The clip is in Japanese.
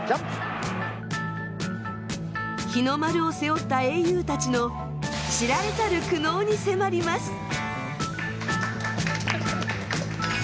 日の丸を背負った英雄たちの知られざる苦悩に迫ります。